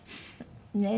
ねえ。